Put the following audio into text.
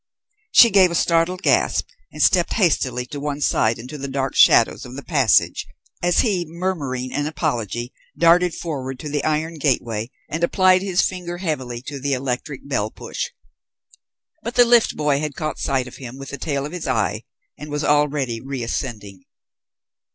She gave a startled gasp and stepped hastily to one side into the dark shadows of the passage as he, muttering an apology, darted forward to the iron gateway and applied his finger heavily to the electric bell push. But the liftboy had caught sight of him with the tail of his eye, and was already reascending.